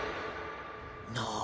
なあ？